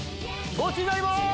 ゴチになります！